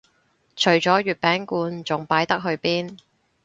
除咗月餅罐仲擺得去邊